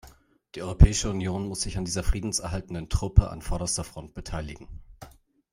Die Europäische Union muss sich an dieser friedenserhaltenden Truppe an vorderster Front beteiligen.